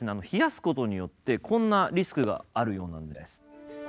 冷やすことによってこんなリスクがあるようなんです。